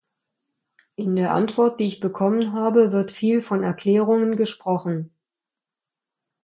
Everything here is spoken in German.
In der Antwort, die ich bekommen habe, wird viel von Erklärungen gesprochen.